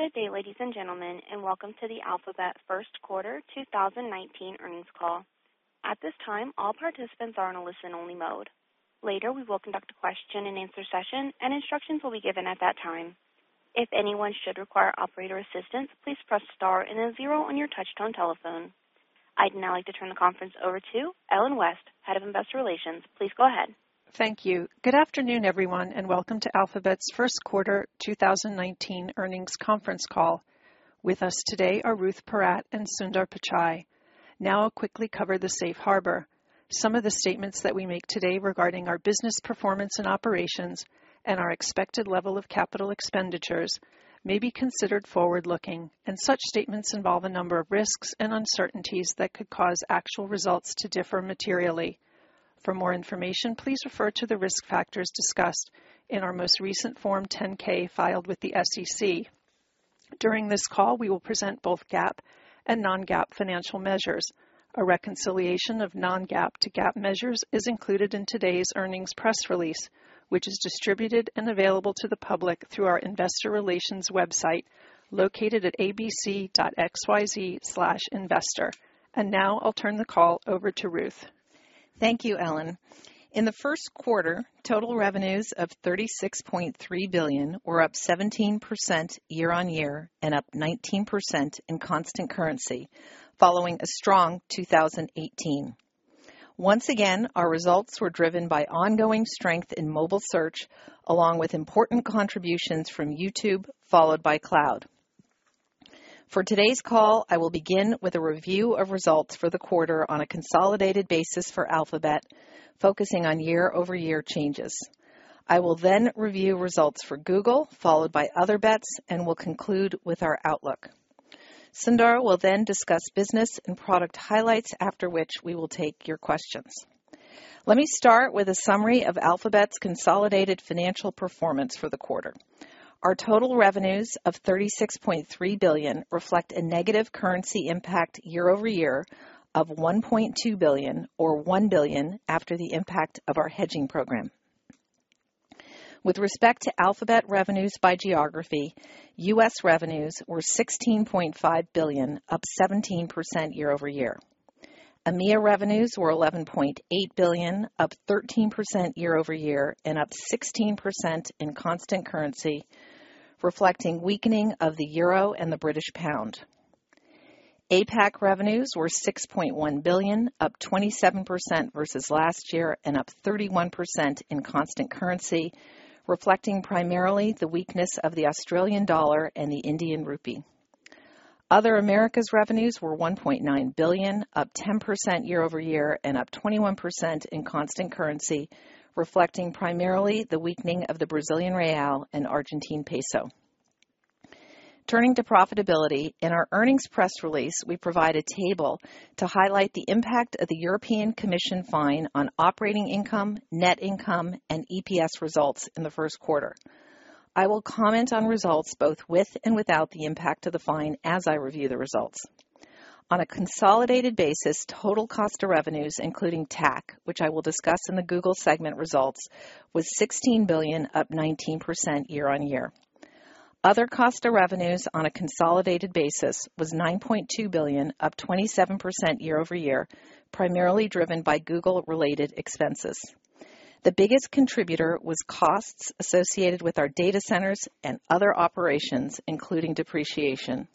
Good day, ladies and gentlemen, and welcome to the Alphabet first quarter 2019 earnings call. At this time, all participants are on a listen-only mode. Later, we will conduct a question-and-answer session, and instructions will be given at that time. If anyone should require operator assistance, please press star and then zero on your touch-tone telephone. I'd now like to turn the conference over to Ellen West, Head of Investor Relations. Please go ahead. Thank you. Good afternoon, everyone, and welcome to Alphabet's first quarter 2019 earnings conference call. With us today are Ruth Porat and Sundar Pichai. Now, I'll quickly cover the safe harbor. Some of the statements that we make today regarding our business performance and operations and our expected level of capital expenditures may be considered forward-looking, and such statements involve a number of risks and uncertainties that could cause actual results to differ materially. For more information, please refer to the risk factors discussed in our most recent Form 10-K filed with the SEC. During this call, we will present both GAAP and non-GAAP financial measures. A reconciliation of non-GAAP to GAAP measures is included in today's earnings press release, which is distributed and available to the public through our Investor Relations website located at abc.xyz/investor. Now, I'll turn the call over to Ruth. Thank you, Ellen. In the first quarter, total revenues of $36.3 billion were up 17% year-on-year and up 19% in constant currency, following a strong 2018. Once again, our results were driven by ongoing strength in mobile search, along with important contributions from YouTube, followed by Cloud. For today's call, I will begin with a review of results for the quarter on a consolidated basis for Alphabet, focusing on year-over-year changes. I will then review results for Google, followed by Other Bets, and will conclude with our outlook. Sundar will then discuss business and product highlights, after which we will take your questions. Let me start with a summary of Alphabet's consolidated financial performance for the quarter. Our total revenues of $36.3 billion reflect a negative currency impact year-over-year of $1.2 billion, or $1 billion, after the impact of our hedging program. With respect to Alphabet revenues by geography, U.S. Revenues were $16.5 billion, up 17% year-over-year. EMEA revenues were $11.8 billion, up 13% year-over-year, and up 16% in constant currency, reflecting weakening of the euro and the British pound. APAC revenues were $6.1 billion, up 27% versus last year, and up 31% in constant currency, reflecting primarily the weakness of the Australian dollar and the Indian rupee. Other Americas revenues were $1.9 billion, up 10% year-over-year, and up 21% in constant currency, reflecting primarily the weakening of the Brazilian real and Argentine peso. Turning to profitability, in our earnings press release, we provide a table to highlight the impact of the European Commission fine on operating income, net income, and EPS results in the first quarter. I will comment on results both with and without the impact of the fine as I review the results. On a consolidated basis, total cost of revenues, including TAC, which I will discuss in the Google segment results, was $16 billion, up 19% year-on-year. Other cost of revenues on a consolidated basis was $9.2 billion, up 27% year-over-year, primarily driven by Google-related expenses. The biggest contributor was costs associated with our data centers and other operations, including depreciation,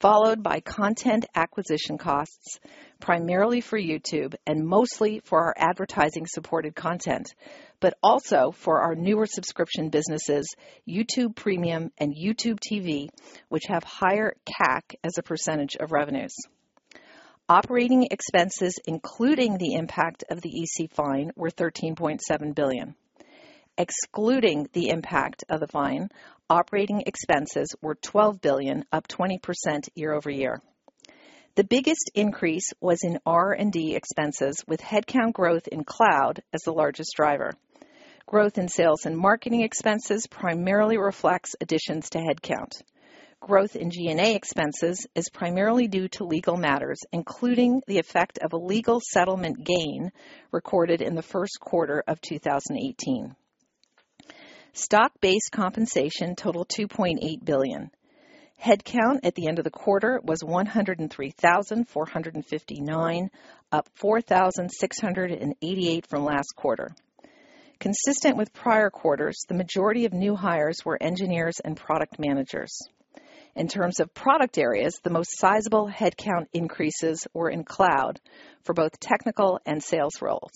followed by content acquisition costs, primarily for YouTube and mostly for our advertising-supported content, but also for our newer subscription businesses, YouTube Premium and YouTube TV, which have higher CAC as a percentage of revenues. Operating expenses, including the impact of the EC fine, were $13.7 billion. Excluding the impact of the fine, operating expenses were $12 billion, up 20% year-over-year. The biggest increase was in R&D expenses, with headcount growth in Cloud as the largest driver. Growth in sales and marketing expenses primarily reflects additions to headcount. Growth in G&A expenses is primarily due to legal matters, including the effect of a legal settlement gain recorded in the first quarter of 2018. Stock-based compensation totaled $2.8 billion. Headcount at the end of the quarter was 103,459, up 4,688 from last quarter. Consistent with prior quarters, the majority of new hires were engineers and product managers. In terms of product areas, the most sizable headcount increases were in Cloud for both technical and sales roles.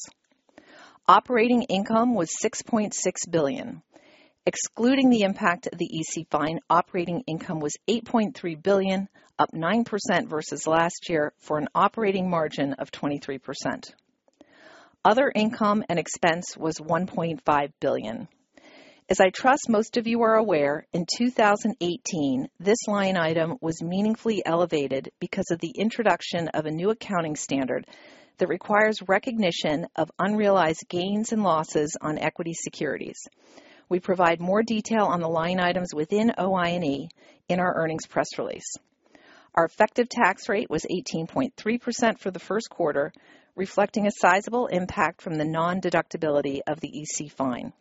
Operating income was $6.6 billion. Excluding the impact of the EC fine, operating income was $8.3 billion, up 9% versus last year, for an operating margin of 23%. Other income and expense was $1.5 billion. As I trust most of you are aware, in 2018, this line item was meaningfully elevated because of the introduction of a new accounting standard that requires recognition of unrealized gains and losses on equity securities. We provide more detail on the line items within OI&E in our earnings press release. Our effective TAC rate was 18.3% for the first quarter, reflecting a sizable impact from the non-deductibility of the EC fine.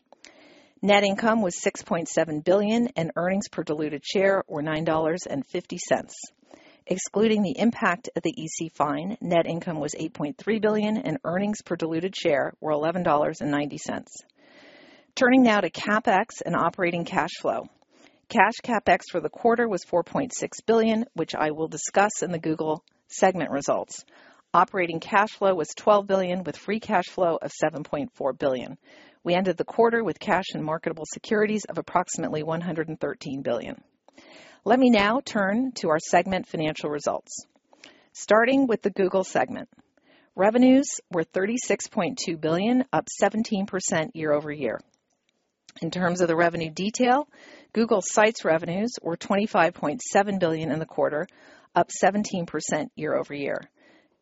Net income was $6.7 billion, and earnings per diluted share were $9.50. Excluding the impact of the EC fine, net income was $8.3 billion, and earnings per diluted share were $11.90. Turning now to CapEx and operating cash flow. Cash CapEx for the quarter was $4.6 billion, which I will discuss in the Google segment results. Operating cash flow was $12 billion, with free cash flow of $7.4 billion. We ended the quarter with cash and marketable securities of approximately $113 billion. Let me now turn to our segment financial results. Starting with the Google segment, revenues were $36.2 billion, up 17% year-over-year. In terms of the revenue detail, Google Sites revenues were $25.7 billion in the quarter, up 17% year-over-year.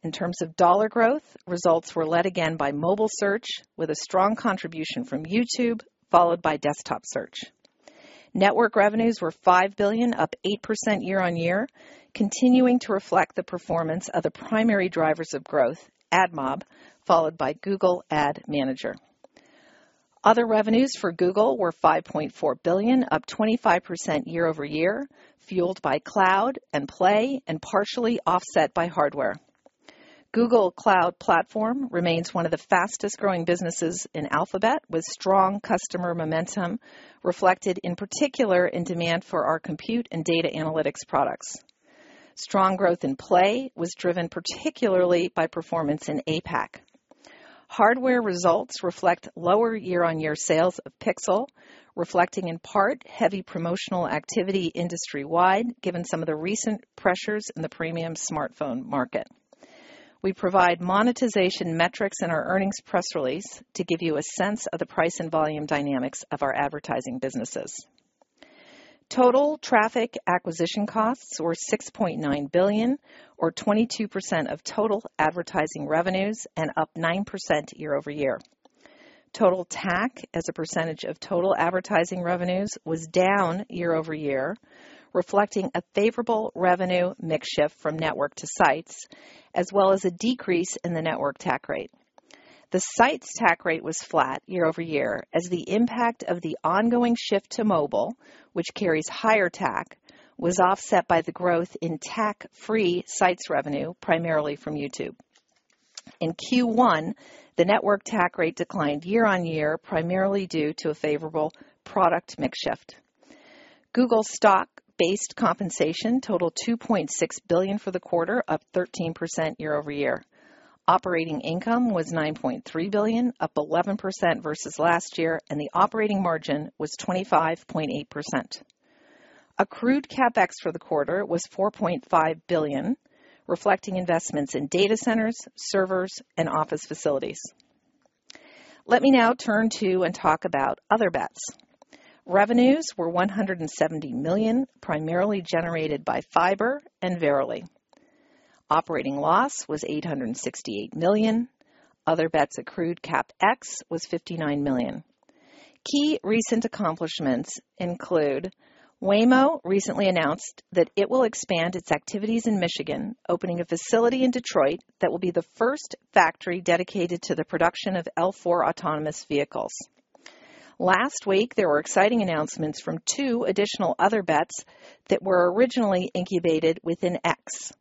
In terms of dollar growth, results were led again by mobile search, with a strong contribution from YouTube, followed by desktop search. Network revenues were $5 billion, up 8% year-over-year, continuing to reflect the performance of the primary drivers of growth, AdMob, followed by Google Ad Manager. Other revenues for Google were $5.4 billion, up 25% year-over-year, fueled by Cloud and Play and partially offset by hardware. Google Cloud Platform remains one of the fastest-growing businesses in Alphabet, with strong customer momentum reflected in particular in demand for our compute and data analytics products. Strong growth in Play was driven particularly by performance in APAC. Hardware results reflect lower year-over-year sales of Pixel, reflecting in part heavy promotional activity industry-wide, given some of the recent pressures in the premium smartphone market. We provide monetization metrics in our earnings press release to give you a sense of the price and volume dynamics of our advertising businesses. Total traffic acquisition costs were $6.9 billion, or 22% of total advertising revenues and up 9% year-over-year. Total TAC, as a percentage of total advertising revenues, was down year-over-year, reflecting a favorable revenue mix shift from network to sites, as well as a decrease in the network TAC rate. The sites TAC rate was flat year-over-year as the impact of the ongoing shift to mobile, which carries higher TAC, was offset by the growth in TAC-free sites revenue, primarily from YouTube. In Q1, the network TAC rate declined year-on-year, primarily due to a favorable product mix shift. Google stock-based compensation totaled $2.6 billion for the quarter, up 13% year-over-year. Operating income was $9.3 billion, up 11% versus last year, and the operating margin was 25.8%. Accrued CapEx for the quarter was $4.5 billion, reflecting investments in data centers, servers, and office facilities. Let me now turn to and talk about Other Bets. Revenues were $170 million, primarily generated by Fiber and Verily. Operating loss was $868 million. Other Bets accrued CapEx was $59 million. Key recent accomplishments include Waymo recently announced that it will expand its activities in Michigan, opening a facility in Detroit that will be the first factory dedicated to the production of L4 autonomous vehicles. Last week, there were exciting announcements from two additional Other Bets that were originally incubated within X.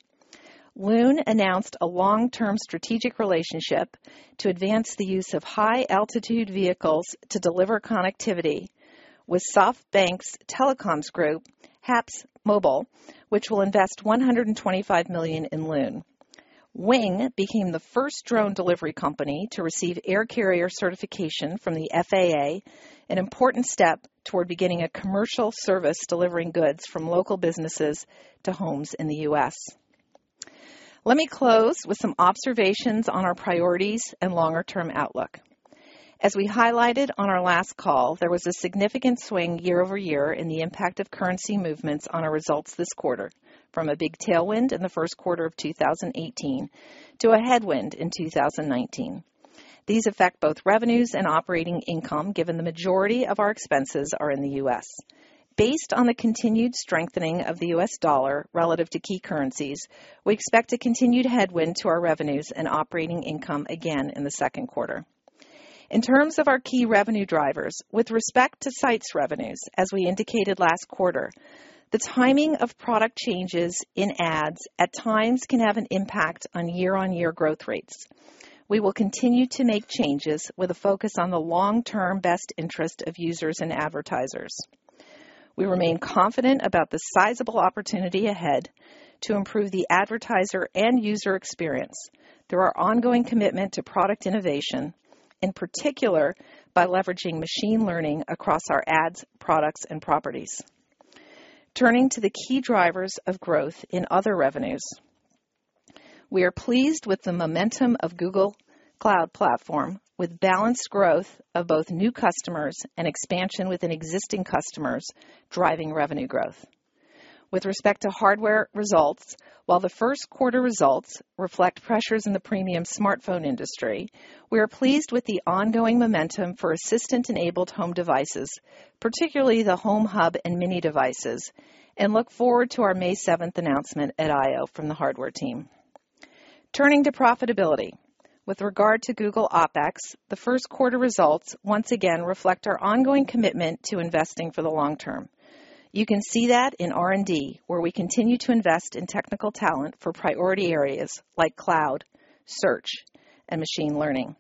Loon announced a long-term strategic relationship to advance the use of high-altitude vehicles to deliver connectivity with SoftBank's Telecoms Group, HAPSMobile, which will invest $125 million in Loon. Wing became the first drone delivery company to receive air carrier certification from the FAA, an important step toward beginning a commercial service delivering goods from local businesses to homes in the U.S. Let me close with some observations on our priorities and longer-term outlook. As we highlighted on our last call, there was a significant swing year-over-year in the impact of currency movements on our results this quarter, from a big tailwind in the first quarter of 2018 to a headwind in 2019. These affect both revenues and operating income, given the majority of our expenses are in the U.S. Based on the continued strengthening of the U.S. dollar relative to key currencies, we expect a continued headwind to our revenues and operating income again in the second quarter. In terms of our key revenue drivers, with respect to sites revenues, as we indicated last quarter, the timing of product changes in ads at times can have an impact on year-on-year growth rates. We will continue to make changes with a focus on the long-term best interest of users and advertisers. We remain confident about the sizable opportunity ahead to improve the advertiser and user experience through our ongoing commitment to product innovation, in particular by leveraging machine learning across our ads, products, and properties. Turning to the key drivers of growth in Other Revenues, we are pleased with the momentum of Google Cloud Platform, with balanced growth of both new customers and expansion within existing customers driving revenue growth. With respect to hardware results, while the first quarter results reflect pressures in the premium smartphone industry, we are pleased with the ongoing momentum for Assistant-enabled home devices, particularly the Home Hub and Mini devices, and look forward to our May 7th announcement at I/O from the hardware team. Turning to profitability, with regard to Google OpEx, the first quarter results once again reflect our ongoing commitment to investing for the long term. You can see that in R&D, where we continue to invest in technical talent for priority areas like cloud, search, and machine learning.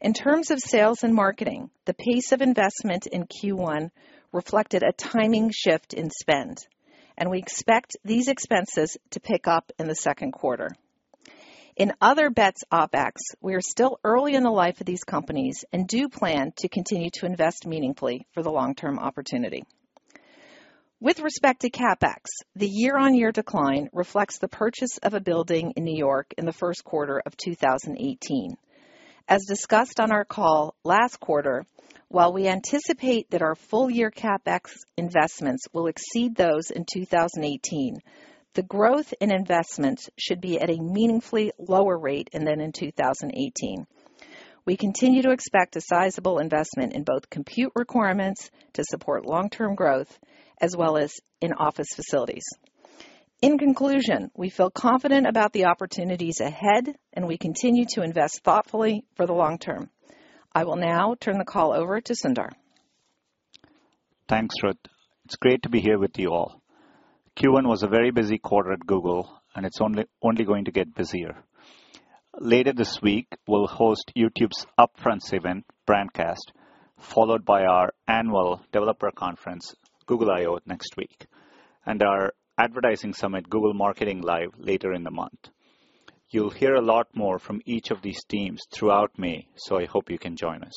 In terms of sales and marketing, the pace of investment in Q1 reflected a timing shift in spend, and we expect these expenses to pick up in the second quarter. In Other Bets OpEx, we are still early in the life of these companies and do plan to continue to invest meaningfully for the long-term opportunity. With respect to CapEx, the year-on-year decline reflects the purchase of a building in New York in the first quarter of 2018. As discussed on our call last quarter, while we anticipate that our full-year CapEx investments will exceed those in 2018, the growth in investments should be at a meaningfully lower rate than in 2018. We continue to expect a sizable investment in both compute requirements to support long-term growth, as well as in office facilities. In conclusion, we feel confident about the opportunities ahead, and we continue to invest thoughtfully for the long term. I will now turn the call over to Sundar. Thanks, Ruth. It's great to be here with you all. Q1 was a very busy quarter at Google, and it's only going to get busier. Later this week, we'll host YouTube's upfront event, Brandcast, followed by our annual developer conference, Google I/O, next week, and our advertising summit, Google Marketing Live, later in the month. You'll hear a lot more from each of these teams throughout May, so I hope you can join us.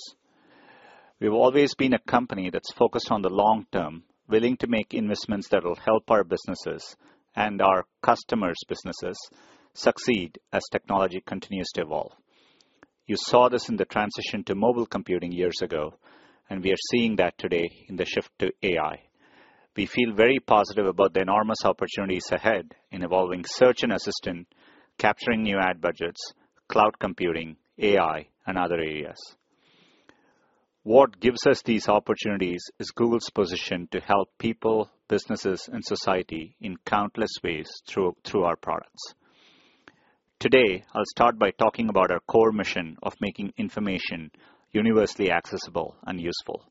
We've always been a company that's focused on the long term, willing to make investments that will help our businesses and our customers' businesses succeed as technology continues to evolve. You saw this in the transition to mobile computing years ago, and we are seeing that today in the shift to AI. We feel very positive about the enormous opportunities ahead in evolving Search and Assistant, capturing new ad budgets, cloud computing, AI, and other areas. What gives us these opportunities is Google's position to help people, businesses, and society in countless ways through our products. Today, I'll start by talking about our core mission of making information universally accessible and useful.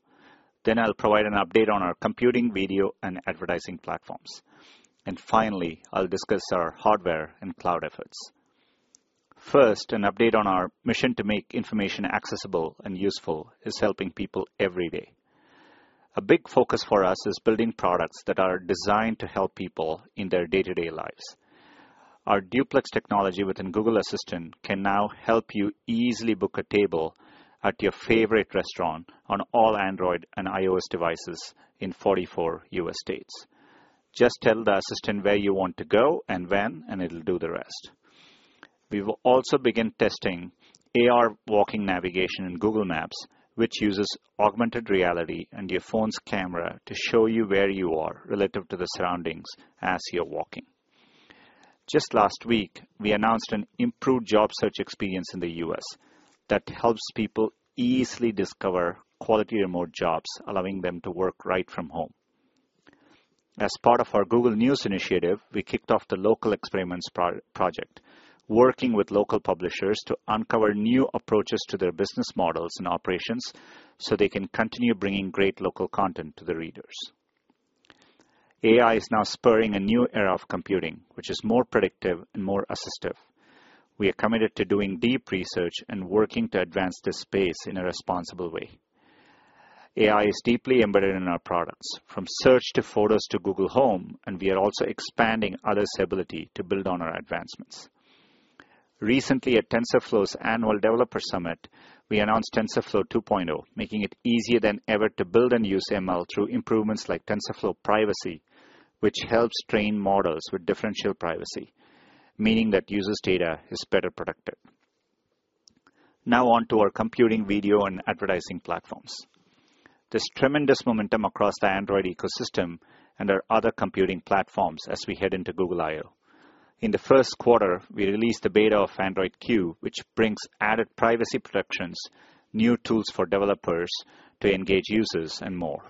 Then I'll provide an update on our computing, video, and advertising platforms, and finally, I'll discuss our hardware and cloud efforts. First, an update on our mission to make information accessible and useful is helping people every day. A big focus for us is building products that are designed to help people in their day-to-day lives. Our Duplex technology within Google Assistant can now help you easily book a table at your favorite restaurant on all Android and iOS devices in 44 U.S. states. Just tell the assistant where you want to go and when, and it'll do the rest. We've also begun testing AR walking navigation in Google Maps, which uses augmented reality and your phone's camera to show you where you are relative to the surroundings as you're walking. Just last week, we announced an improved job search experience in the U.S. that helps people easily discover quality remote jobs, allowing them to work right from home. As part of our Google News Initiative, we kicked off the Local Experiments Project, working with local publishers to uncover new approaches to their business models and operations so they can continue bringing great local content to the readers. AI is now spurring a new era of computing, which is more predictive and more assistive. We are committed to doing deep research and working to advance this space in a responsible way. AI is deeply embedded in our products, from search to photos to Google Home, and we are also expanding others' ability to build on our advancements. Recently, at TensorFlow's annual developer summit, we announced TensorFlow 2.0, making it easier than ever to build and use ML through improvements like TensorFlow Privacy, which helps train models with differential privacy, meaning that users' data is better protected. Now on to our computing, video, and advertising platforms. There's tremendous momentum across the Android ecosystem and our other computing platforms as we head into Google I/O. In the first quarter, we released the beta of Android Q, which brings added privacy protections, new tools for developers to engage users, and more.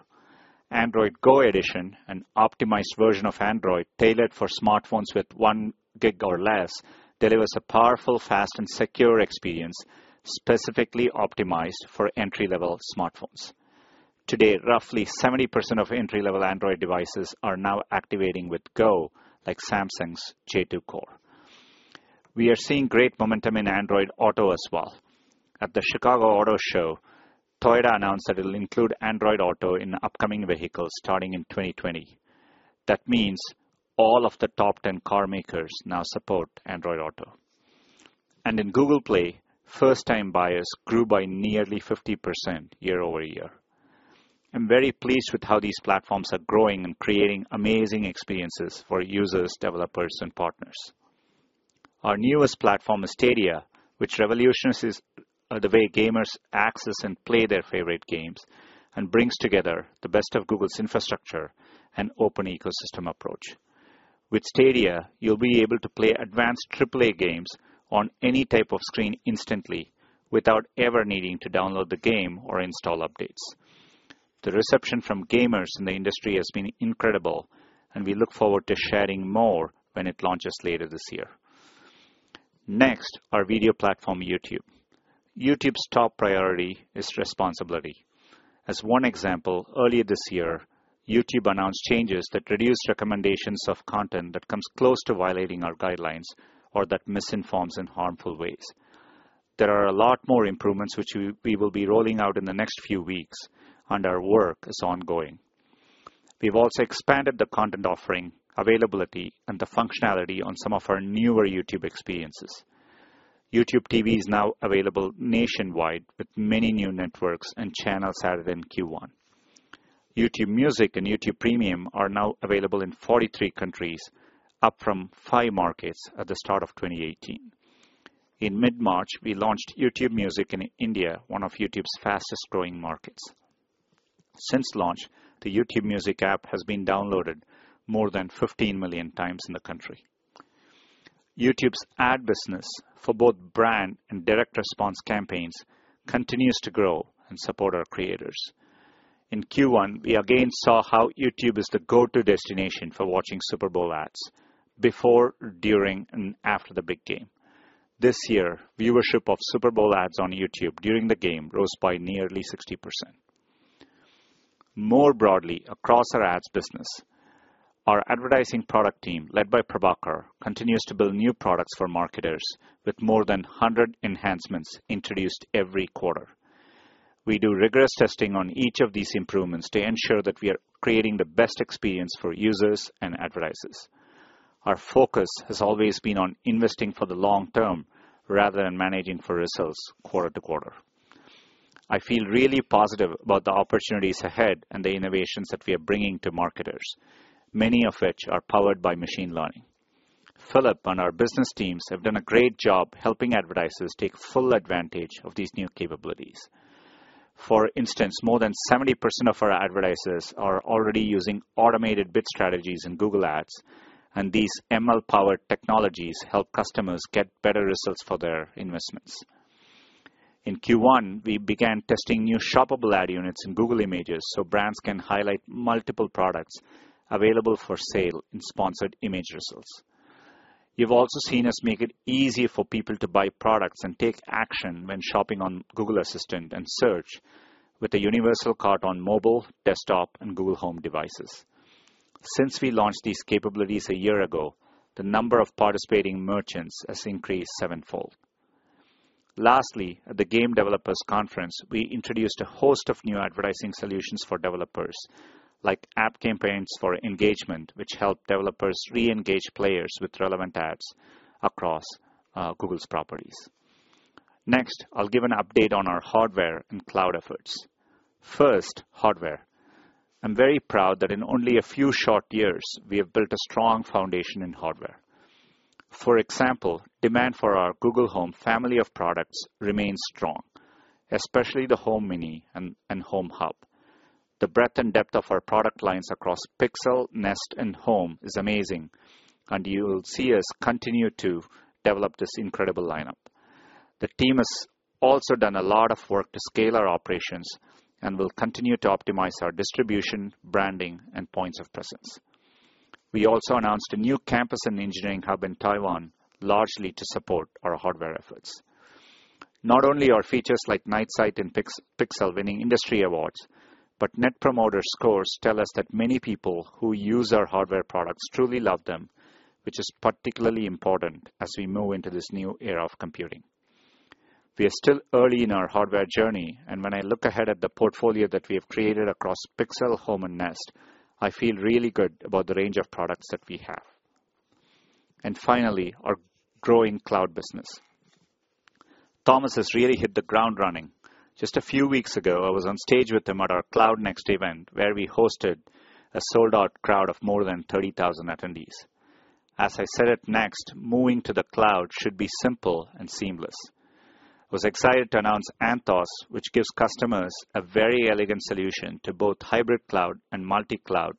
Android Go Edition, an optimized version of Android tailored for smartphones with one gig or less, delivers a powerful, fast, and secure experience specifically optimized for entry-level smartphones. Today, roughly 70% of entry-level Android devices are now activating with Go, like Samsung's J2 Core. We are seeing great momentum in Android Auto as well. At the Chicago Auto Show, Toyota announced that it'll include Android Auto in upcoming vehicles starting in 2020. That means all of the top 10 car makers now support Android Auto, and in Google Play, first-time buyers grew by nearly 50% year-over-year. I'm very pleased with how these platforms are growing and creating amazing experiences for users, developers, and partners. Our newest platform is Stadia, which revolutionizes the way gamers access and play their favorite games and brings together the best of Google's infrastructure and open ecosystem approach. With Stadia, you'll be able to play advanced AAA games on any type of screen instantly without ever needing to download the game or install updates. The reception from gamers in the industry has been incredible, and we look forward to sharing more when it launches later this year. Next, our video platform, YouTube. YouTube's top priority is responsibility. As one example, earlier this year, YouTube announced changes that reduce recommendations of content that comes close to violating our guidelines or that misinforms in harmful ways. There are a lot more improvements, which we will be rolling out in the next few weeks and our work is ongoing. We've also expanded the content offering, availability, and the functionality on some of our newer YouTube experiences. YouTube TV is now available nationwide with many new networks and channels added in Q1. YouTube Music and YouTube Premium are now available in 43 countries, up from five markets at the start of 2018. In mid-March, we launched YouTube Music in India, one of YouTube's fastest-growing markets. Since launch, the YouTube Music app has been downloaded more than 15 million times in the country. YouTube's ad business for both brand and direct response campaigns continues to grow and support our creators. In Q1, we again saw how YouTube is the go-to destination for watching Super Bowl ads before, during, and after the big game. This year, viewership of Super Bowl ads on YouTube during the game rose by nearly 60%. More broadly, across our ads business, our advertising product team, led by Prabhakar, continues to build new products for marketers with more than 100 enhancements introduced every quarter. We do rigorous testing on each of these improvements to ensure that we are creating the best experience for users and advertisers. Our focus has always been on investing for the long term rather than managing for results quarter to quarter. I feel really positive about the opportunities ahead and the innovations that we are bringing to marketers, many of which are powered by machine learning. Philipp and our business teams have done a great job helping advertisers take full advantage of these new capabilities. For instance, more than 70% of our advertisers are already using automated bid strategies in Google Ads, and these ML-powered technologies help customers get better results for their investments. In Q1, we began testing new shoppable ad units in Google Images so brands can highlight multiple products available for sale in sponsored image results. You've also seen us make it easy for people to buy products and take action when Shopping on Google Assistant and Search with a universal cart on mobile, desktop, and Google Home devices. Since we launched these capabilities a year ago, the number of participating merchants has increased sevenfold. Lastly, at the Game Developers Conference, we introduced a host of new advertising solutions for developers, like App campaigns for engagement, which help developers re-engage players with relevant ads across Google's properties. Next, I'll give an update on our hardware and cloud efforts. First, hardware. I'm very proud that in only a few short years, we have built a strong foundation in hardware. For example, demand for our Google Home family of products remains strong, especially the Home Mini and Home Hub. The breadth and depth of our product lines across Pixel, Nest, and Home is amazing, and you will see us continue to develop this incredible lineup. The team has also done a lot of work to scale our operations and will continue to optimize our distribution, branding, and points of presence. We also announced a new campus and engineering hub in Taiwan, largely to support our hardware efforts. Not only are features like Night Sight and Pixel winning industry awards, but Net Promoter Scores tell us that many people who use our hardware products truly love them, which is particularly important as we move into this new era of computing. We are still early in our hardware journey, and when I look ahead at the portfolio that we have created across Pixel, Home, and Nest, I feel really good about the range of products that we have, and finally, our growing cloud business. Thomas has really hit the ground running. Just a few weeks ago, I was on stage with him at our Cloud Next event, where we hosted a sold-out crowd of more than 30,000 attendees. As I said at Next, moving to the cloud should be simple and seamless. I was excited to announce Anthos, which gives customers a very elegant solution to both hybrid cloud and multi-cloud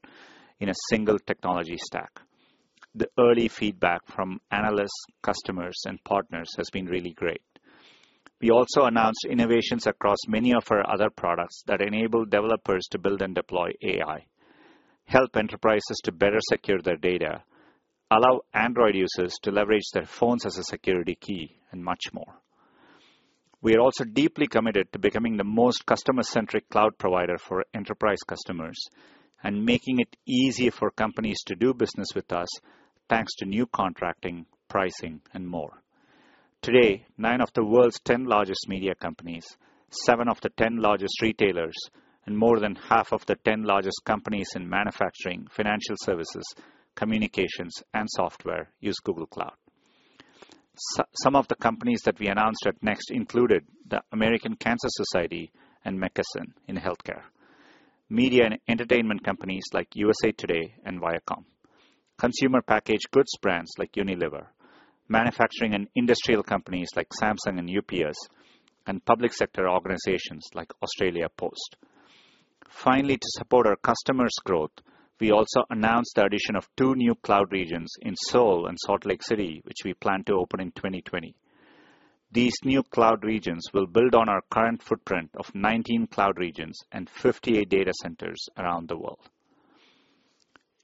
in a single technology stack. The early feedback from analysts, customers, and partners has been really great. We also announced innovations across many of our other products that enable developers to build and deploy AI, help enterprises to better secure their data, allow Android users to leverage their phones as a security key, and much more. We are also deeply committed to becoming the most customer-centric cloud provider for enterprise customers and making it easier for companies to do business with us, thanks to new contracting, pricing, and more. Today, nine of the world's 10 largest media companies, seven of the 10 largest retailers, and more than half of the 10 largest companies in manufacturing, financial services, communications, and software use Google Cloud. Some of the companies that we announced at Next included the American Cancer Society and McKesson in healthcare, media and entertainment companies like USA Today and Viacom, consumer packaged goods brands like Unilever, manufacturing and industrial companies like Samsung and UPS, and public sector organizations like Australia Post. Finally, to support our customers' growth, we also announced the addition of two new cloud regions in Seoul and Salt Lake City, which we plan to open in 2020. These new cloud regions will build on our current footprint of 19 cloud regions and 58 data centers around the world.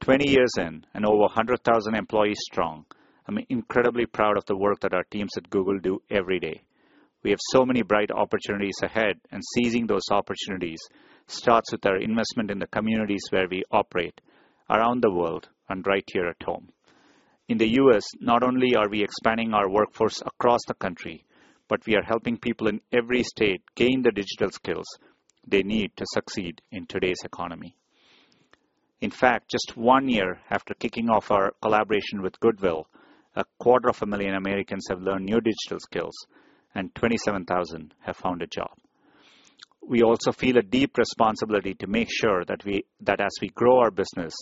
Twenty years in and over 100,000 employees strong, I'm incredibly proud of the work that our teams at Google do every day. We have so many bright opportunities ahead, and seizing those opportunities starts with our investment in the communities where we operate around the world and right here at home. In the U.S., not only are we expanding our workforce across the country, but we are helping people in every state gain the digital skills they need to succeed in today's economy. In fact, just one year after kicking off our collaboration with Goodwill, 250,000 Americans have learned new digital skills, and 27,000 have found a job. We also feel a deep responsibility to make sure that as we grow our business,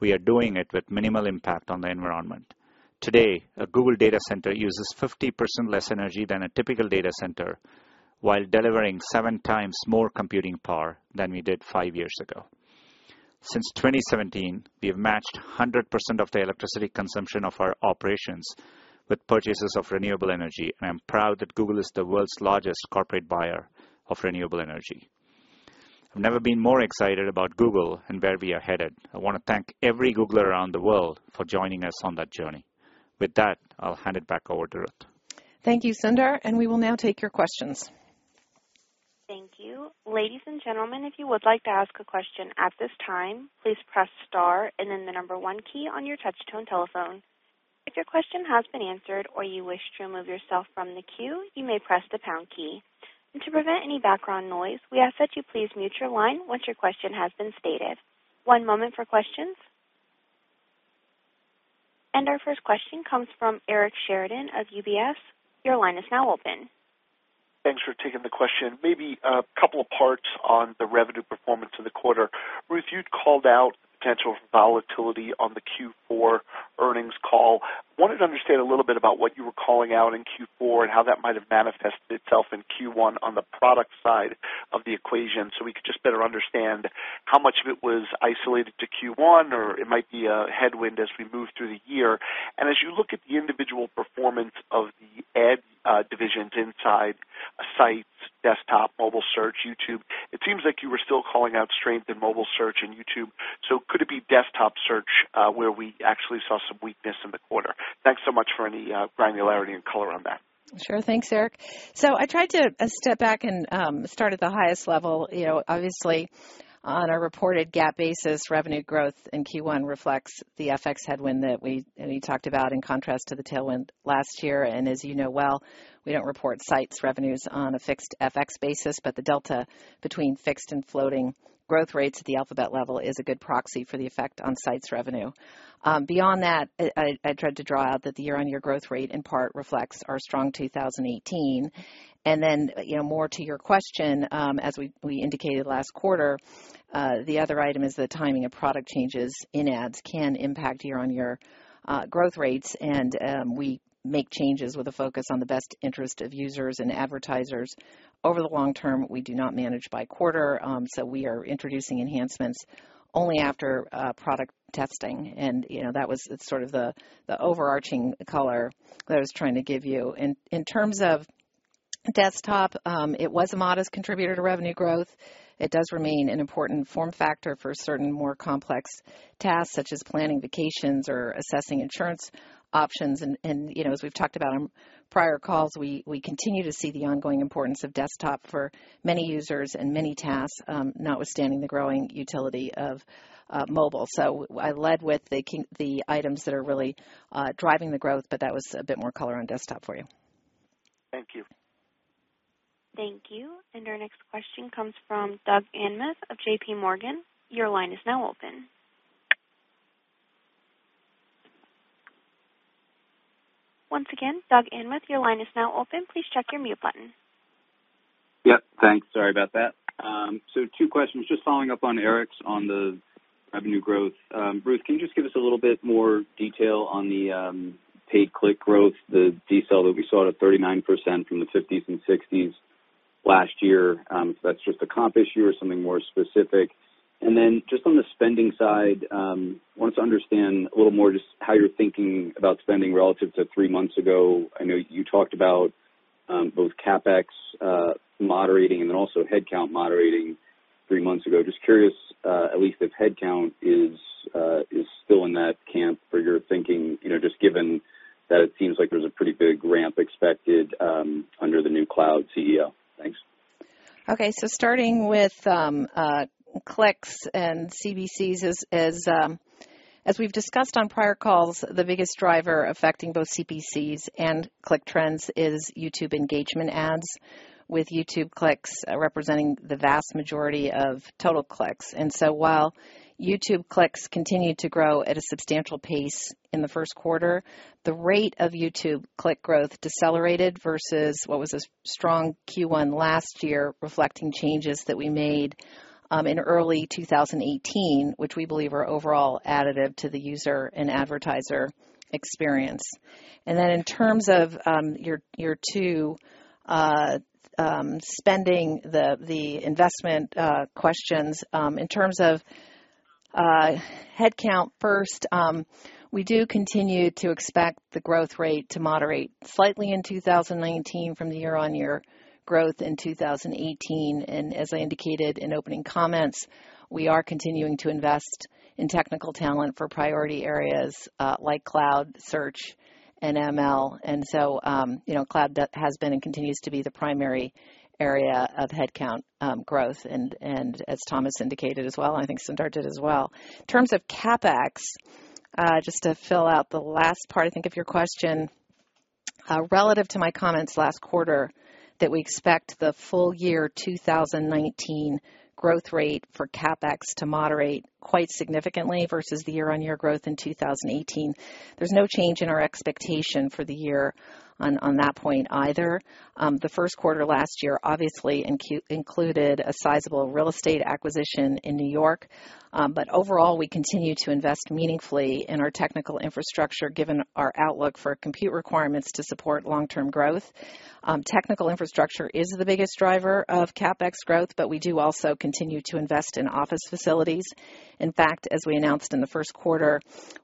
we are doing it with minimal impact on the environment. Today, a Google data center uses 50% less energy than a typical data center, while delivering seven times more computing power than we did five years ago. Since 2017, we have matched 100% of the electricity consumption of our operations with purchases of renewable energy, and I'm proud that Google is the world's largest corporate buyer of renewable energy. I've never been more excited about Google and where we are headed. I want to thank every Googler around the world for joining us on that journey. With that, I'll hand it back over to Ruth. Thank you, Sundar, and we will now take your questions. Thank you. Ladies and gentlemen, if you would like to ask a question at this time, please press star and then the number one key on your touch-tone telephone. If your question has been answered or you wish to remove yourself from the queue, you may press the pound key. To prevent any background noise, we ask that you please mute your line once your question has been stated. One moment for questions. Our first question comes from Eric Sheridan of UBS. Your line is now open. Thanks for taking the question. Maybe a couple of parts on the revenue performance of the quarter. Ruth, you'd called out the potential for volatility on the Q4 earnings call. I wanted to understand a little bit about what you were calling out in Q4 and how that might have manifested itself in Q1 on the product side of the equation so we could just better understand how much of it was isolated to Q1, or it might be a headwind as we move through the year. And as you look at the individual performance of the ad divisions inside Sites, Desktop, mobile search, YouTube, it seems like you were still calling out strength in mobile search and YouTube. So could it be Desktop Search where we actually saw some weakness in the quarter? Thanks so much for any granularity and color on that. Sure. Thanks, Eric. So I tried to step back and start at the highest level. Obviously, on a reported GAAP basis, revenue growth in Q1 reflects the FX headwind that we talked about in contrast to the tailwind last year. And as you know well, we don't report Sites revenues on a fixed FX basis, but the delta between fixed and floating growth rates at the Alphabet level is a good proxy for the effect on Sites revenue. Beyond that, I tried to draw out that the year-on-year growth rate in part reflects our strong 2018. And then more to your question, as we indicated last quarter, the other item is the timing of product changes in ads can impact year-on-year growth rates. And we make changes with a focus on the best interest of users and advertisers. Over the long term, we do not manage by quarter, so we are introducing enhancements only after product testing. And that was sort of the overarching color that I was trying to give you. In terms of Desktop, it was a modest contributor to revenue growth. It does remain an important form factor for certain more complex tasks, such as planning vacations or assessing insurance options. And as we've talked about on prior calls, we continue to see the ongoing importance of Desktop for many users and many tasks, notwithstanding the growing utility of Mobile. So I led with the items that are really driving the growth, but that was a bit more color on Desktop for you. Thank you. Thank you. And our next question comes from Doug Anmuth of JPMorgan. Your line is now open. Once again, Doug Anmuth, your line is now open. Please check your mute button. Yep. Thanks. Sorry about that. So two questions, just following up on Eric's on the revenue growth. Ruth, can you just give us a little bit more detail on the paid click growth, the decel that we saw to 39% from the 50s and 60s last year? If that's just a comp issue or something more specific. And then just on the spending side, I wanted to understand a little more just how you're thinking about spending relative to three months ago. I know you talked about both CapEx moderating and then also headcount moderating three months ago. Just curious, at least if headcount is still in that camp or you're thinking, just given that it seems like there's a pretty big ramp expected under the new cloud CEO. Thanks. Okay. Starting with clicks and CPCs, as we've discussed on prior calls, the biggest driver affecting both CPCs and click trends is YouTube engagement ads, with YouTube clicks representing the vast majority of total clicks. And so while YouTube clicks continued to grow at a substantial pace in the first quarter, the rate of YouTube click growth decelerated versus what was a strong Q1 last year, reflecting changes that we made in early 2018, which we believe are overall additive to the user and advertiser experience. And then in terms of Q2 spending, the investment questions, in terms of headcount, first, we do continue to expect the growth rate to moderate slightly in 2019 from the year-on-year growth in 2018. And as I indicated in opening comments, we are continuing to invest in technical talent for priority areas like Cloud, Search, and ML. Cloud has been and continues to be the primary area of headcount growth, and as Thomas indicated as well, and I think Sundar did as well. In terms of CapEx, just to fill out the last part, I think, of your question, relative to my comments last quarter, that we expect the full year 2019 growth rate for CapEx to moderate quite significantly versus the year-on-year growth in 2018. There's no change in our expectation for the year on that point either. The first quarter last year obviously included a sizable real estate acquisition in New York. Overall, we continue to invest meaningfully in our technical infrastructure given our outlook for compute requirements to support long-term growth. Technical infrastructure is the biggest driver of CapEx growth, but we do also continue to invest in office facilities. In fact, as we announced in the first quarter,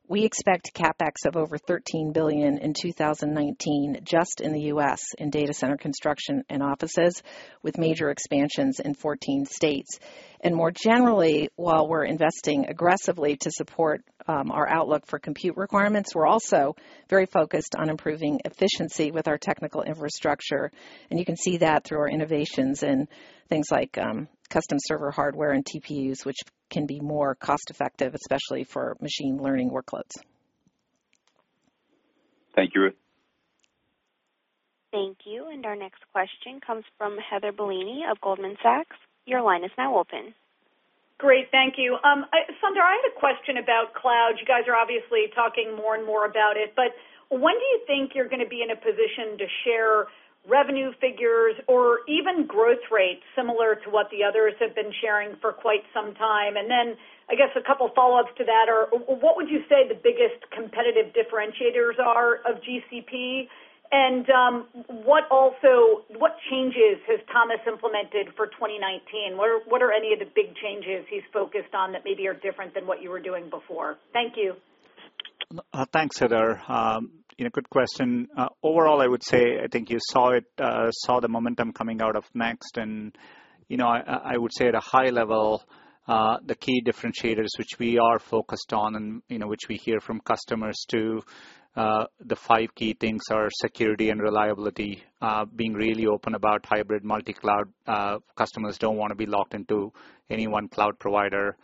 we expect CapEx of over $13 billion in 2019 just in the U.S. in data center construction and offices, with major expansions in 14 states, and more generally, while we're investing aggressively to support our outlook for compute requirements, we're also very focused on improving efficiency with our technical infrastructure, and you can see that through our innovations in things like custom server hardware and TPUs, which can be more cost-effective, especially for machine learning workloads. Thank you, Ruth. Thank you, and our next question comes from Heather Bellini of Goldman Sachs. Your line is now open. Great. Thank you. Sundar, I had a question about cloud. You guys are obviously talking more and more about it. But when do you think you're going to be in a position to share revenue figures or even growth rates similar to what the others have been sharing for quite some time? And then I guess a couple of follow-ups to that are, what would you say the biggest competitive differentiators are of GCP? And what changes has Thomas implemented for 2019? What are any of the big changes he's focused on that maybe are different than what you were doing before? Thank you. Thanks, Heather. Good question. Overall, I would say I think you saw the momentum coming out of Next. And I would say at a high level, the key differentiators, which we are focused on and which we hear from customers too, the five key things are security and reliability, being really open about hybrid multi-cloud. Customers don't want to be locked into any one cloud provider.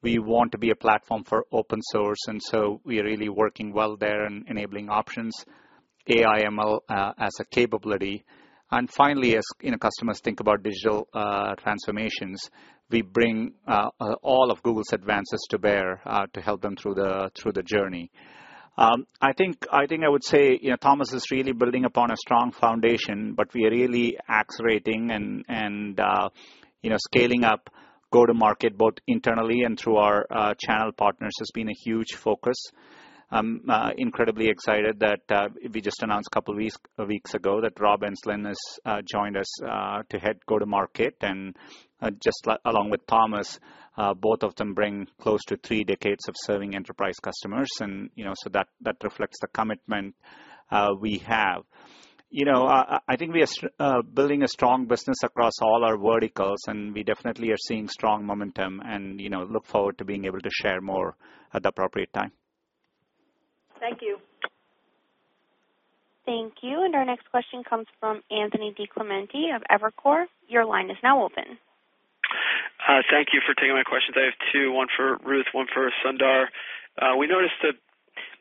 We want to be a platform for open source. And so we are really working well there and enabling options, AI/ML as a capability. And finally, as customers think about digital transformations, we bring all of Google's advances to bear to help them through the journey. I think I would say Thomas is really building upon a strong foundation, but we are really accelerating and scaling up go-to-market both internally and through our channel partners has been a huge focus. I'm incredibly excited that we just announced a couple of weeks ago that Rob Enslin has joined us to head go-to-market. And just along with Thomas, both of them bring close to three decades of serving enterprise customers. And so that reflects the commitment we have. I think we are building a strong business across all our verticals, and we definitely are seeing strong momentum and look forward to being able to share more at the appropriate time. Thank you. Thank you. Our next question comes from Anthony DiClemente of Evercore. Your line is now open. Thank you for taking my questions. I have two, one for Ruth, one for Sundar. We noticed a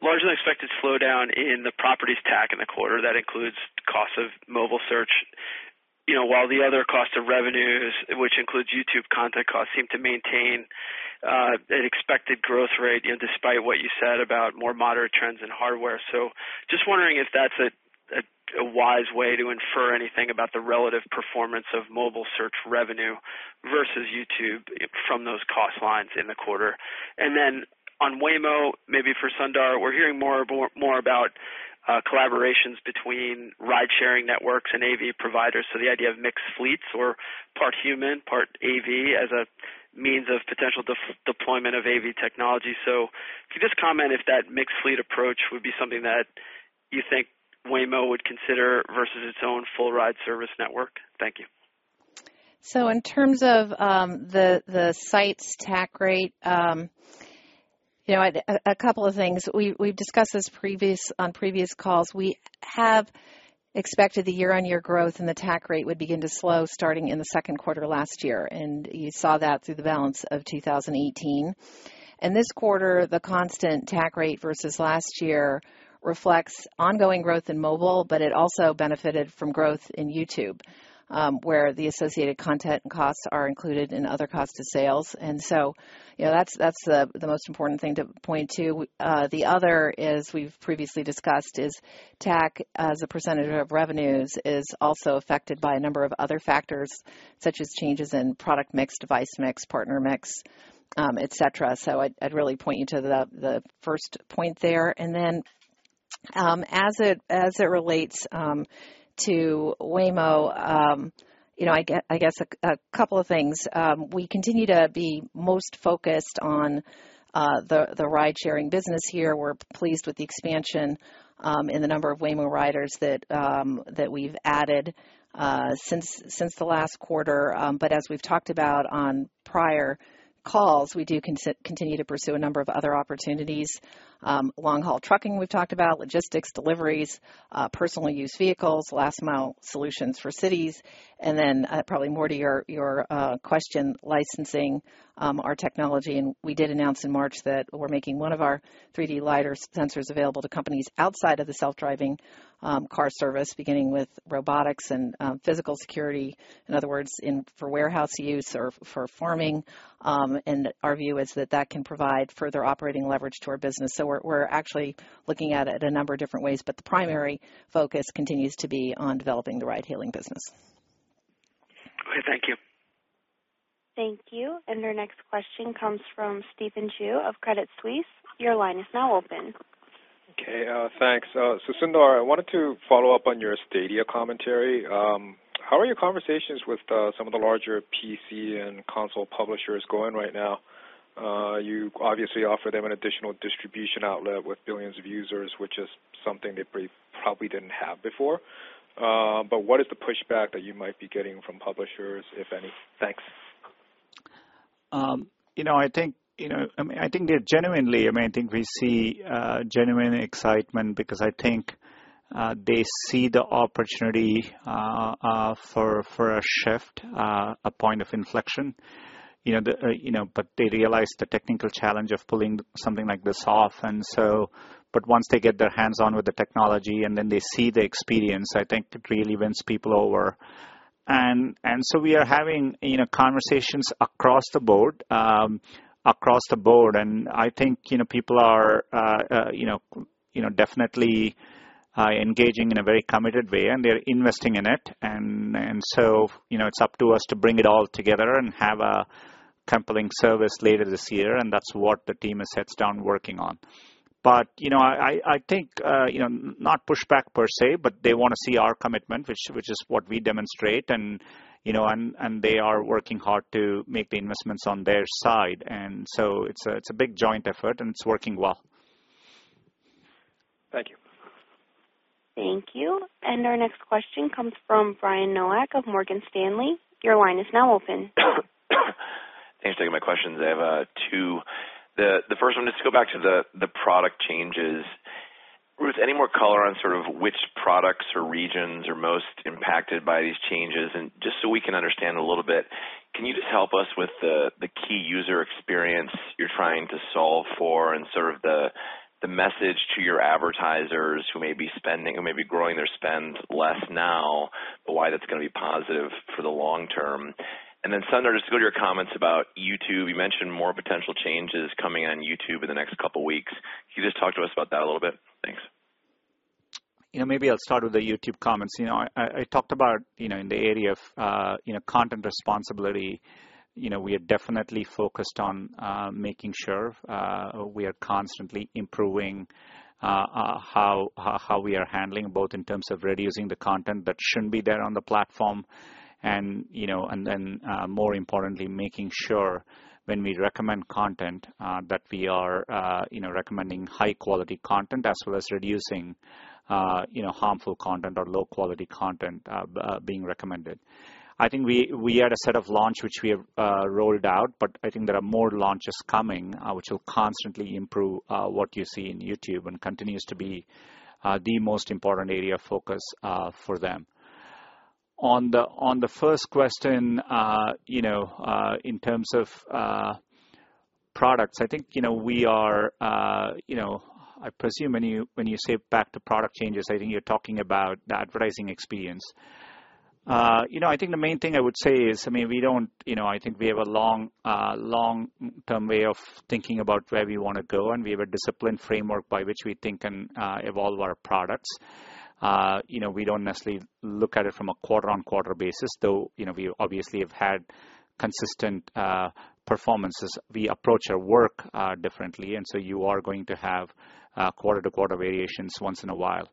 largely unexpected slowdown in the properties TAC in the quarter. That includes cost of mobile search, while the other cost of revenues, which includes YouTube content costs, seem to maintain an expected growth rate despite what you said about more moderate trends in hardware. So just wondering if that's a wise way to infer anything about the relative performance of mobile search revenue versus YouTube from those cost lines in the quarter. And then on Waymo, maybe for Sundar, we're hearing more about collaborations between ridesharing networks and AV providers, so the idea of mixed fleets or part human, part AV as a means of potential deployment of AV technology. So could you just comment if that mixed fleet approach would be something that you think Waymo would consider versus its own full ride service network? Thank you. So in terms of Sites TAC rate, a couple of things. We've discussed this on previous calls. We have expected the year-on-year growth and the TAC rate would begin to slow starting in the second quarter last year. And you saw that through the balance of 2018. And this quarter, the constant TAC rate versus last year reflects ongoing growth in Mobile, but it also benefited from growth in YouTube, where the associated content costs are included in other costs of sales. And so that's the most important thing to point to. The other, as we've previously discussed, is tax as a percentage of revenues is also affected by a number of other factors, such as changes in product mix, device mix, partner mix, etc. So I'd really point you to the first point there. And then as it relates to Waymo, I guess a couple of things. We continue to be most focused on the ridesharing business here. We're pleased with the expansion in the number of Waymo riders that we've added since the last quarter. But as we've talked about on prior calls, we do continue to pursue a number of other opportunities. Long-haul trucking we've talked about, logistics, deliveries, personal use vehicles, last-mile solutions for cities. And then probably more to your question, licensing our technology. We did announce in March that we're making one of our 3D LiDAR sensors available to companies outside of the self-driving car service, beginning with robotics and physical security. In other words, for warehouse use or for farming. And our view is that that can provide further operating leverage to our business. So we're actually looking at it a number of different ways, but the primary focus continues to be on developing the ride-hailing business. Okay. Thank you. Thank you. And our next question comes from Stephen Ju of Credit Suisse. Your line is now open. Okay. Thanks. So Sundar, I wanted to follow up on your Stadia commentary. How are your conversations with some of the larger PC and console publishers going right now? You obviously offer them an additional distribution outlet with billions of users, which is something they probably didn't have before. But what is the pushback that you might be getting from publishers, if any? Thanks. I think they're genuinely. I mean, I think we see genuine excitement because I think they see the opportunity for a shift, a point of inflection. But they realize the technical challenge of pulling something like this off. And so, but once they get their hands on with the technology and then they see the experience, I think it really wins people over. And so we are having conversations across the board, across the board. And I think people are definitely engaging in a very committed way, and they're investing in it. And so it's up to us to bring it all together and have a compelling service later this year. And that's what the team has sat down working on. But I think not pushback per se, but they want to see our commitment, which is what we demonstrate. And they are working hard to make the investments on their side. And so it's a big joint effort, and it's working well. Thank you. Thank you. And our next question comes from Brian Nowak of Morgan Stanley. Your line is now open. Thanks for taking my questions. I have two. The first one, just to go back to the product changes. Ruth, any more color on sort of which products or regions are most impacted by these changes? Just so we can understand a little bit, can you just help us with the key user experience you're trying to solve for and sort of the message to your advertisers who may be spending, who may be growing their spend less now, but why that's going to be positive for the long term? And then Sundar, just to go to your comments about YouTube, you mentioned more potential changes coming on YouTube in the next couple of weeks. Can you just talk to us about that a little bit? Thanks. Maybe I'll start with the YouTube comments. I talked about in the area of content responsibility, we are definitely focused on making sure we are constantly improving how we are handling both in terms of reducing the content that shouldn't be there on the platform and then, more importantly, making sure when we recommend content that we are recommending high-quality content as well as reducing harmful content or low-quality content being recommended. I think we had a set of launches which we have rolled out, but I think there are more launches coming which will constantly improve what you see in YouTube and continues to be the most important area of focus for them. On the first question, in terms of products, I presume when you say back to product changes, I think you're talking about the advertising experience. I think the main thing I would say is, I mean, we don't, I think, we have a long-term way of thinking about where we want to go, and we have a disciplined framework by which we think and evolve our products. We don't necessarily look at it from a quarter-on-quarter basis, though we obviously have had consistent performances. We approach our work differently, and so you are going to have quarter-to-quarter variations once in a while.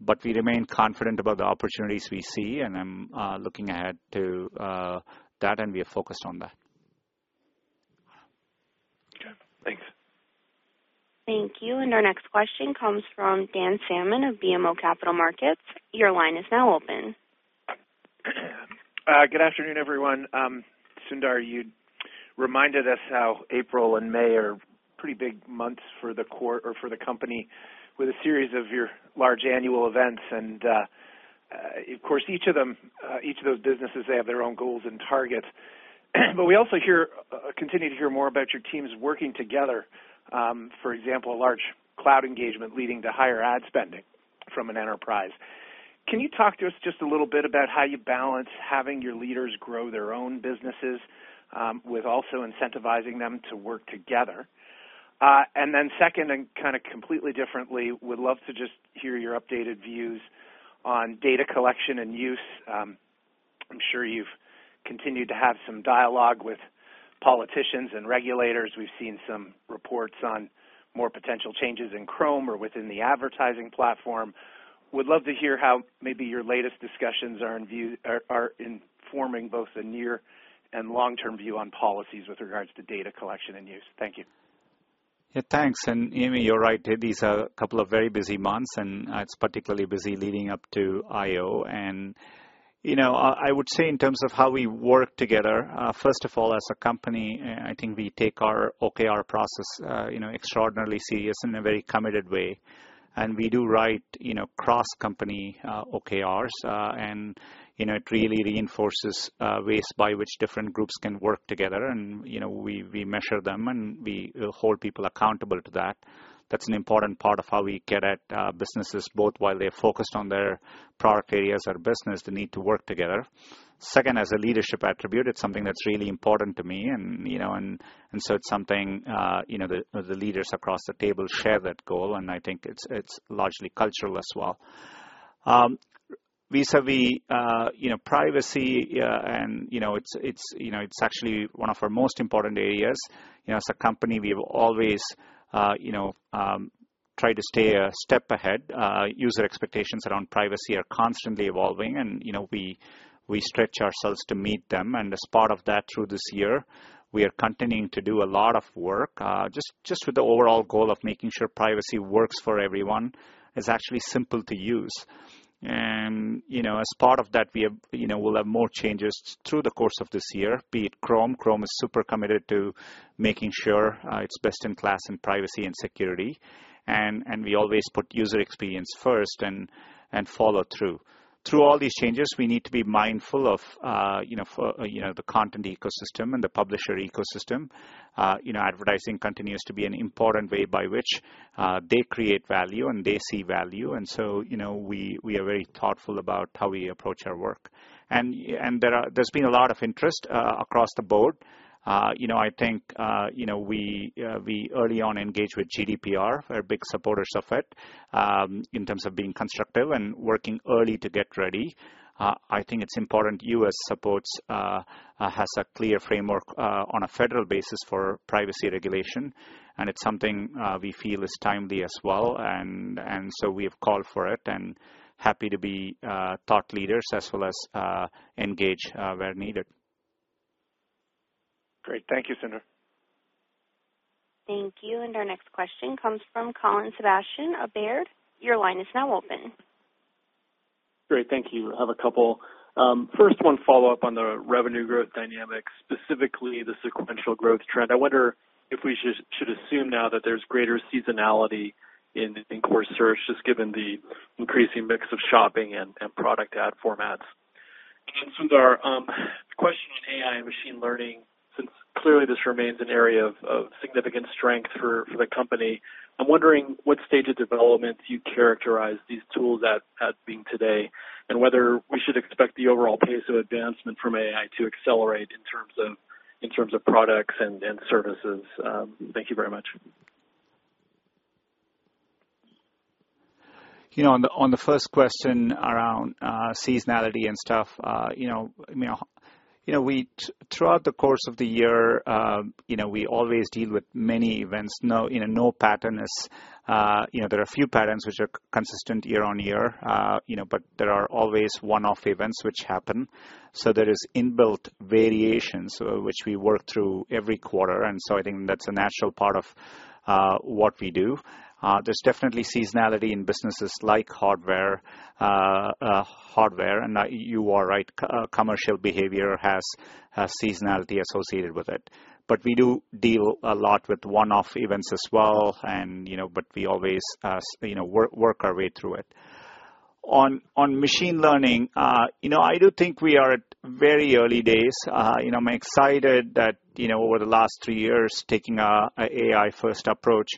But we remain confident about the opportunities we see, and I'm looking ahead to that, and we are focused on that. Okay. Thanks. Thank you. And our next question comes from Dan Salmon of BMO Capital Markets. Your line is now open. Good afternoon, everyone. Sundar, you reminded us how April and May are pretty big months for the company with a series of your large annual events. And of course, each of those businesses, they have their own goals and targets. But we also continue to hear more about your teams working together. For example, a large cloud engagement leading to higher ad spending from an enterprise. Can you talk to us just a little bit about how you balance having your leaders grow their own businesses with also incentivizing them to work together? And then second, and kind of completely differently, we'd love to just hear your updated views on data collection and use. I'm sure you've continued to have some dialogue with politicians and regulators. We've seen some reports on more potential changes in Chrome or within the advertising platform. We'd love to hear how maybe your latest discussions are informing both the near and long-term view on policies with regards to data collection and use. Thank you. Yeah. Thanks. And maybe, you're right. These are a couple of very busy months, and it's particularly busy leading up to I/O. And I would say in terms of how we work together, first of all, as a company, I think we take our OKR process extraordinarily serious in a very committed way. And we do write cross-company OKRs, and it really reinforces ways by which different groups can work together. And we measure them, and we hold people accountable to that. That's an important part of how we get at businesses, both while they're focused on their product areas or business, the need to work together. Second, as a leadership attribute, it's something that's really important to me. And so it's something the leaders across the table share that goal, and I think it's largely cultural as well, vis-à-vis privacy, and it's actually one of our most important areas. As a company, we have always tried to stay a step ahead. User expectations around privacy are constantly evolving, and we stretch ourselves to meet them. And as part of that, through this year, we are continuing to do a lot of work just with the overall goal of making sure privacy works for everyone is actually simple to use. And as part of that, we will have more changes through the course of this year, be it Chrome. Chrome is super committed to making sure it's best in class in privacy and security. And we always put user experience first and follow through. Through all these changes, we need to be mindful of the content ecosystem and the publisher ecosystem. Advertising continues to be an important way by which they create value and they see value. And so we are very thoughtful about how we approach our work. There's been a lot of interest across the board. I think we early on engaged with GDPR and are big supporters of it in terms of being constructive and working early to get ready. I think it's important the U.S. supports has a clear framework on a federal basis for privacy regulation. It's something we feel is timely as well. We have called for it and [are] happy to be thought leaders as well as engage where needed. Great. Thank you, Sundar. Thank you. Our next question comes from Colin Sebastian of Baird. Your line is now open. Great. Thank you. I have a couple. First one, follow-up on the revenue growth dynamics, specifically the sequential growth trend. I wonder if we should assume now that there's greater seasonality in core search, just given the increasing mix of Shopping and product ad formats. Sundar, question on AI and machine learning, since clearly this remains an area of significant strength for the company. I'm wondering what stage of development you characterize these tools as being today and whether we should expect the overall pace of advancement from AI to accelerate in terms of products and services. Thank you very much. On the first question around seasonality and stuff, I mean, throughout the course of the year, we always deal with many events. No pattern is there. There are a few patterns which are consistent year on year, but there are always one-off events which happen. So there is inbuilt variations which we work through every quarter. And so I think that's a natural part of what we do. There's definitely seasonality in businesses like hardware. And you are right. Commercial behavior has seasonality associated with it. But we do deal a lot with one-off events as well, but we always work our way through it. On machine learning, I do think we are at very early days. I'm excited that over the last three years, taking an AI-first approach,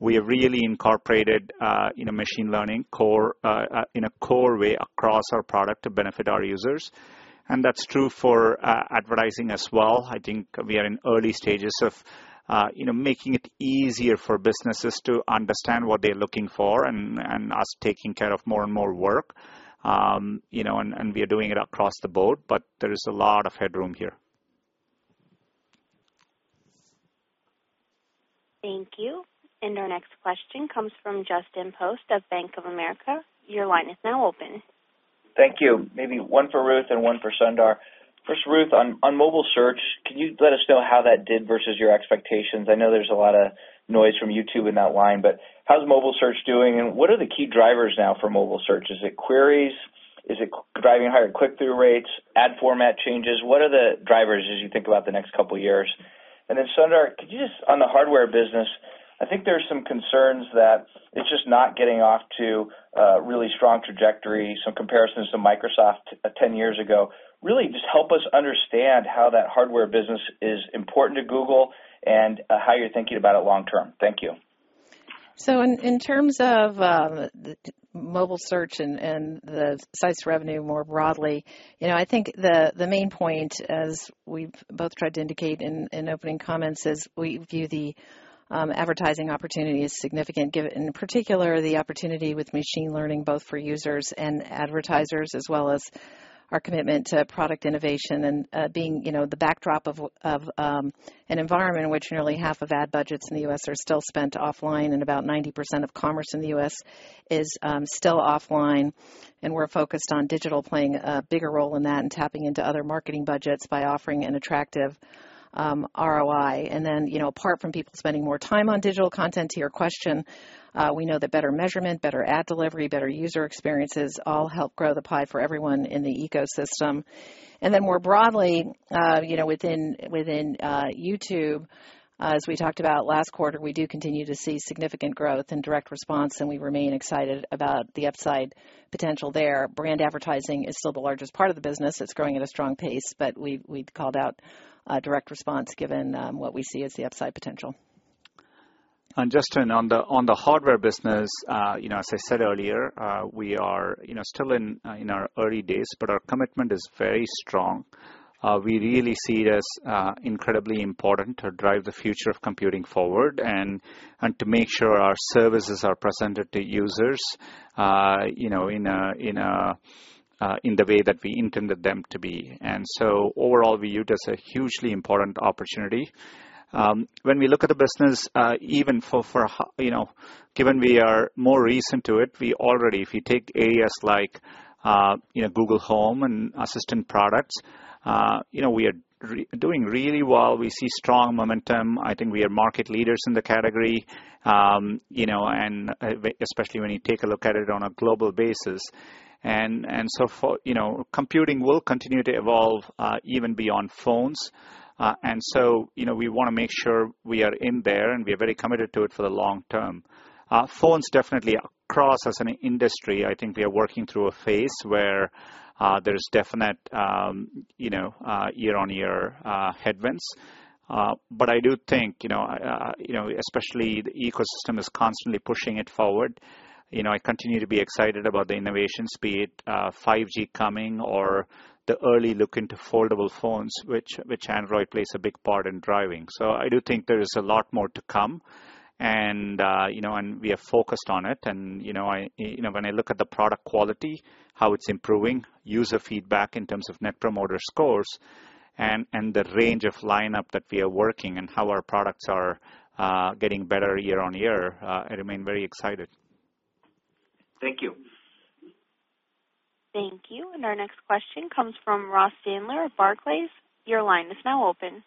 we have really incorporated machine learning in a core way across our product to benefit our users. And that's true for advertising as well. I think we are in early stages of making it easier for businesses to understand what they're looking for and us taking care of more and more work. And we are doing it across the board, but there is a lot of headroom here. Thank you. And our next question comes from Justin Post of Bank of America. Your line is now open. Thank you. Maybe one for Ruth and one for Sundar. First, Ruth, on mobile search, can you let us know how that did versus your expectations? I know there's a lot of noise from YouTube in that line, but how's mobile search doing? And what are the key drivers now for mobile search? Is it queries? Is it driving higher click-through rates? Ad format changes? What are the drivers as you think about the next couple of years? And then Sundar, could you just on the hardware business, I think there are some concerns that it's just not getting off to a really strong trajectory. Some comparisons to Microsoft 10 years ago really just help us understand how that hardware business is important to Google and how you're thinking about it long term. Thank you. In terms of mobile search and the Sites revenue more broadly, I think the main point, as we've both tried to indicate in opening comments, is we view the advertising opportunity as significant, in particular the opportunity with machine learning both for users and advertisers, as well as our commitment to product innovation and being the backdrop of an environment in which nearly half of ad budgets in the U.S. are still spent offline and about 90% of commerce in the U.S. is still offline. We're focused on digital playing a bigger role in that and tapping into other marketing budgets by offering an attractive ROI. Apart from people spending more time on digital content, to your question, we know that better measurement, better ad delivery, better user experiences all help grow the pie for everyone in the ecosystem. And then more broadly, within YouTube, as we talked about last quarter, we do continue to see significant growth and direct response, and we remain excited about the upside potential there. Brand advertising is still the largest part of the business. It's growing at a strong pace, but we've called out direct response given what we see as the upside potential. And just on the hardware business, as I said earlier, we are still in our early days, but our commitment is very strong. We really see it as incredibly important to drive the future of computing forward and to make sure our services are presented to users in the way that we intended them to be. And so overall, we view it as a hugely important opportunity. When we look at the business, even for Google we are more recent to it, we already, if you take areas like Google Home and Assistant products, we are doing really well. We see strong momentum. I think we are market leaders in the category, and especially when you take a look at it on a global basis, and so computing will continue to evolve even beyond phones, and so we want to make sure we are in there, and we are very committed to it for the long term. Phones, definitely across, as an industry, I think we are working through a phase where there is definite year-on-year headwinds, but I do think, especially the ecosystem is constantly pushing it forward. I continue to be excited about the innovation speed, 5G coming, or the early look into foldable phones, which Android plays a big part in driving. I do think there is a lot more to come, and we are focused on it. When I look at the product quality, how it's improving, user feedback in terms of Net Promoter Score, and the range of lineup that we are working and how our products are getting better year on year, I remain very excited. Thank you. Thank you. Our next question comes from Ross Sandler of Barclays. Your line is now open.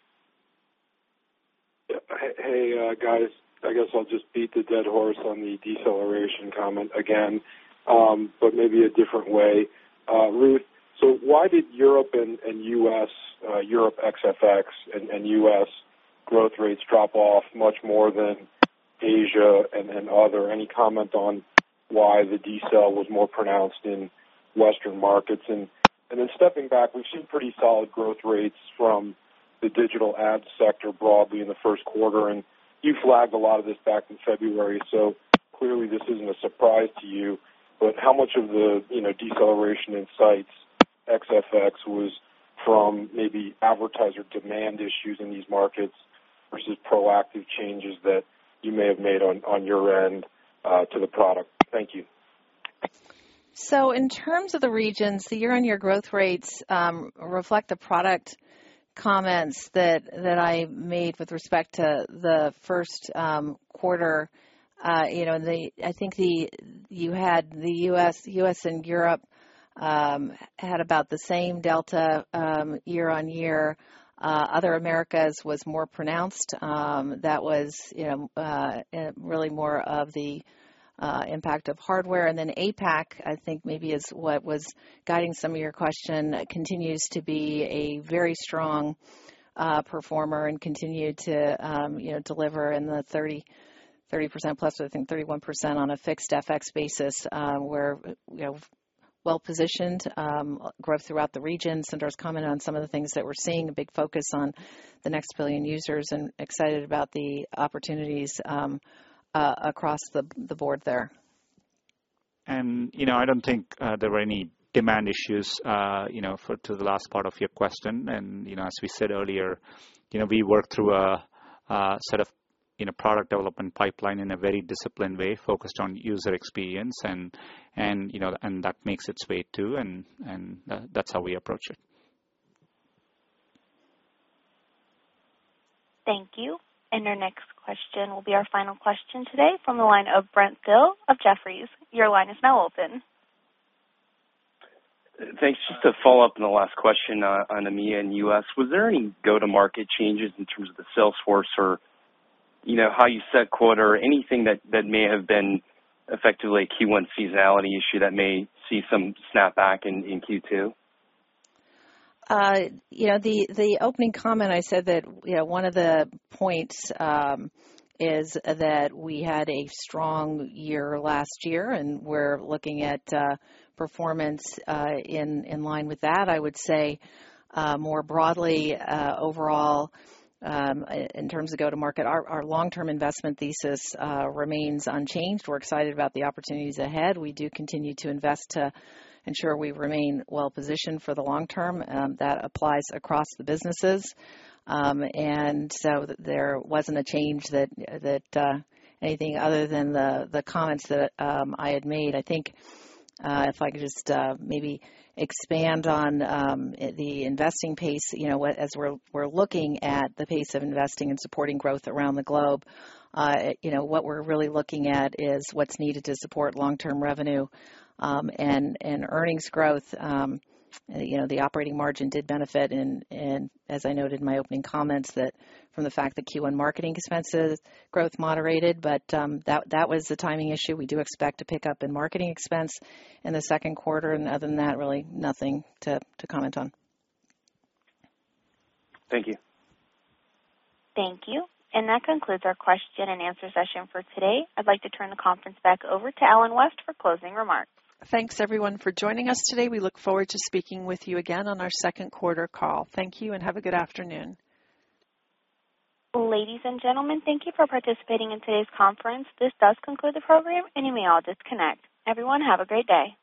Hey, guys. I guess I'll just beat the dead horse on the deceleration comment again, but maybe a different way. Ruth, so why did Europe and U.S., Europe ex-FX and U.S. growth rates drop off much more than Asia and other? Any comment on why the decel was more pronounced in Western markets? Stepping back, we've seen pretty solid growth rates from the digital ad sector broadly in the first quarter. You flagged a lot of this back in February, so clearly this isn't a surprise to you. But how much of the deceleration in ex-FX was from maybe advertiser demand issues in these markets versus proactive changes that you may have made on your end to the product? Thank you. In terms of the regions, the year-on-year growth rates reflect the product comments that I made with respect to the first quarter. I think the U.S. and Europe had about the same delta year-on-year. Other Americas was more pronounced. That was really more of the impact of hardware. And then APAC, I think maybe is what was guiding some of your question, continues to be a very strong performer and continue to deliver in the 30% plus, I think 31% on a fixed FX basis, where well-positioned growth throughout the region. Sundar's comment on some of the things that we're seeing, a big focus on the Next Billion Users and excited about the opportunities across the board there. And I don't think there were any demand issues to the last part of your question. And as we said earlier, we work through a set of product development pipeline in a very disciplined way, focused on user experience. And that makes its way too, and that's how we approach it. Thank you. And our next question will be our final question today from the line of Brent Thill of Jefferies. Your line is now open. Thanks. Just to follow up on the last question on the media in the U.S., was there any go-to-market changes in terms of the sales force or how you set quotas, anything that may have been effectively a Q1 seasonality issue that may see some snapback in Q2? In the opening comment, I said that one of the points is that we had a strong year last year, and we're looking at performance in line with that. I would say more broadly, overall, in terms of go-to-market, our long-term investment thesis remains unchanged. We're excited about the opportunities ahead. We do continue to invest to ensure we remain well-positioned for the long term. That applies across the businesses. And so there wasn't any change other than the comments that I had made. I think if I could just maybe expand on the investing pace, as we're looking at the pace of investing and supporting growth around the globe, what we're really looking at is what's needed to support long-term revenue and earnings growth. The operating margin did benefit. And as I noted in my opening comments, that from the fact that Q1 marketing expenses growth moderated, but that was the timing issue. We do expect a pickup in marketing expense in the second quarter. And other than that, really nothing to comment on. Thank you. Thank you. And that concludes our question and answer session for today. I'd like to turn the conference back over to Ellen West for closing remarks. Thanks, everyone, for joining us today. We look forward to speaking with you again on our second quarter call. Thank you and have a good afternoon. Ladies and gentlemen, thank you for participating in today's conference. This does conclude the program, and you may all disconnect. Everyone, have a great day.